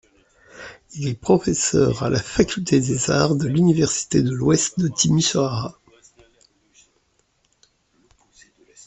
Il est professeur à la faculté des arts de l'université de l'Ouest de Timișoara.